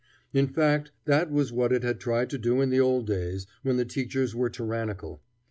In fact, that was what it had tried to do in the old days when the teachers were tyrannical.